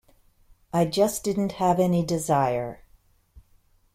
I just didn't have any desire.